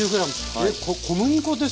え小麦粉ですか？